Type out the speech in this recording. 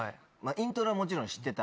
イントロはもちろん知ってた